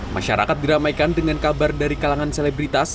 masyarakat diramaikan dengan kabar dari kalangan selebritas